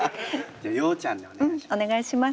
じゃあようちゃんでお願いします。